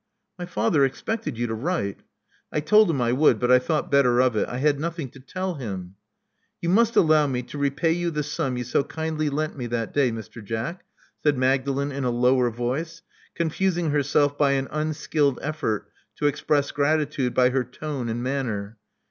My father expected you to write." I told him I would; but I thought better of it. I had nothing to tell him." •*You must allow me to repay you the sum you so kindly lent me that day, Mr. Jack," said Magdalen in a lower voice, confusing herself by an unskilled effort to express gratitude by her tone and manner.